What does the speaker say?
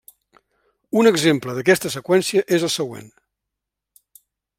Un exemple d'aquesta seqüència és el següent.